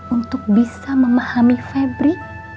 untuk bisa memahami febri